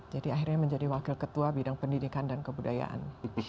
jadi akhirnya menjadi wakil ketua bidang pendidikan dan kebudayaan